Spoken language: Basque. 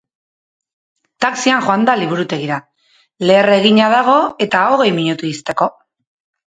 Taxian joan da liburutegira, leher egina dago eta hogei minutu ixteko.